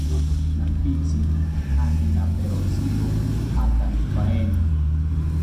Nampitzi aminaperotziro antamipaeni